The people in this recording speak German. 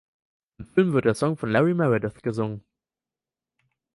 Im Film wird der Song von Larry Meredith gesungen.